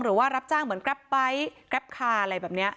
หรือว่ารับจ้างเหมือนแกรปไบท์แกรปคาร์อะไรแบบนี้